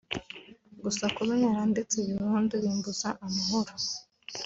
gusa kuba yarandetse Burundi bimbuza amahoro